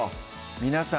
皆さん